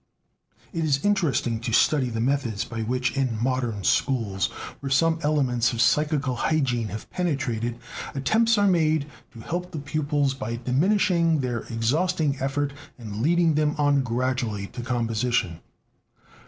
It is interesting to study the methods by which, in "modern schools," where some elements of psychical hygiene have penetrated, attempts are made to help the pupils by diminishing their exhausting effort and leading them on gradually to composition.